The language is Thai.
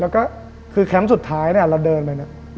แล้วก็คือแคมป์สุดท้ายเนี่ยเราเดินไปเนี่ย